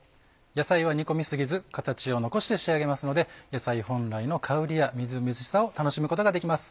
野菜は煮込み過ぎず形を残して仕上げますので野菜本来の香りやみずみずしさを楽しむことができます。